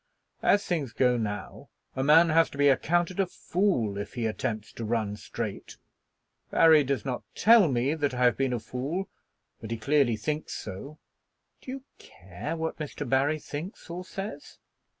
As things go now a man has to be accounted a fool if he attempts to run straight. Barry does not tell me that I have been a fool, but he clearly thinks so." "Do you care what Mr. Barry thinks or says?"